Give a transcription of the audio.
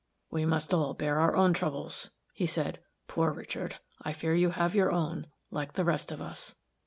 "We must all bear our own troubles," he said. "Poor Richard, I fear you have your own, like the rest of us."